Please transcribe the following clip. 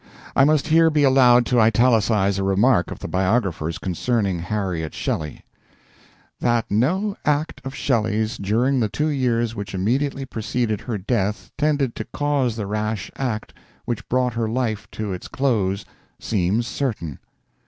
I must here be allowed to italicize a remark of the biographer's concerning Harriet Shelley: "That no act of Shelley's during the two years which immediately preceded her death tended to cause the rash act which brought her life to its close seems certain."